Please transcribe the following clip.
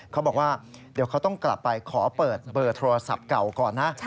เขาบอกว่าเดี๋ยวเขาต้องกลับไปขอเปิดเบอร์โทรศัพท์เก่าก่อนนะ